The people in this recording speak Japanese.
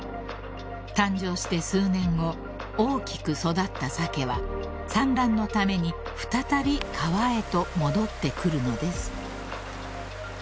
［誕生して数年後大きく育ったサケは産卵のために再び川へと戻ってくるのです］